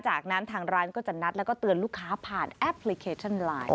จากนั้นทางร้านก็จะนัดแล้วก็เตือนลูกค้าผ่านแอปพลิเคชันไลน์